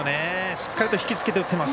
しっかりと引きつけて打ってます。